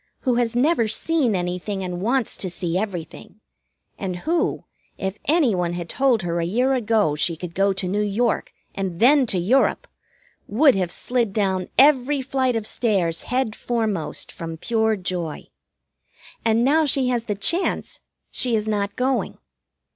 Who has never seen anything and wants to see everything, and who, if anyone had told her a year ago she could go to New York, and then to Europe, would have slid down every flight of stairs head foremost from pure joy. And now she has the chance, she is not going.